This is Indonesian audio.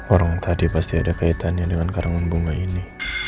orang tadi pasti ada kaitannya dengan karangan bunga ini